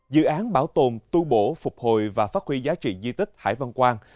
dự án bảo tồn tu bổ phục hồi và phát huy giá trị di tích hải văn quang